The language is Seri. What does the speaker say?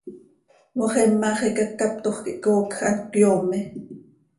Moxima xiica ccaptoj quih coocj hant cöyoome.